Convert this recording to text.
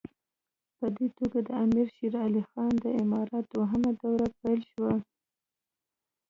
په دې توګه د امیر شېر علي خان د امارت دوهمه دوره پیل شوه.